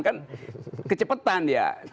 kan kecepatan dia